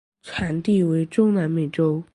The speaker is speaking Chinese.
产地为中南美洲。